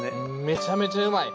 めちゃめちゃうまい。